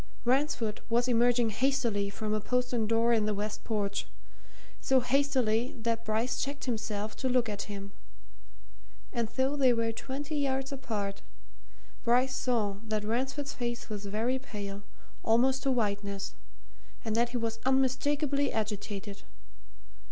Ransford was emerging hastily from a postern door in the west porch so hastily that Bryce checked himself to look at him. And though they were twenty yards apart, Bryce saw that Ransford's face was very pale, almost to whiteness, and that he was unmistakably agitated.